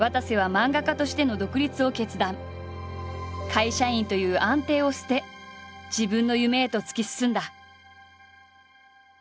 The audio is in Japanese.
会社員という安定を捨て自分の夢へと突き進んだ。